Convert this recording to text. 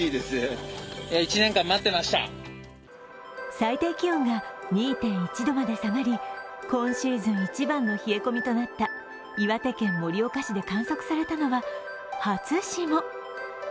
最低気温が２．１度まで下がり今シーズン一番の冷え込みとなった岩手県盛岡市で観測されたのは初霜。